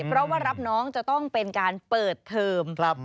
เพราะว่ารับน้องจะต้องเปิดเทิม